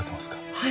はい。